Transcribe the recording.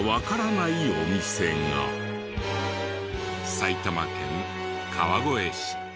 埼玉県川越市。